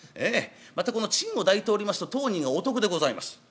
またこのチンを抱いておりますと当人がお得でございます。